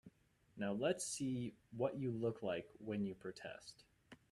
Now let's see what you look like when you protest.